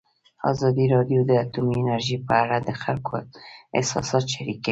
ازادي راډیو د اټومي انرژي په اړه د خلکو احساسات شریک کړي.